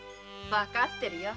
わかってるよ。